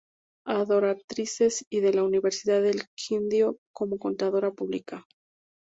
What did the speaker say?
Adoratrices y de la Universidad del Quindío como contadora pública.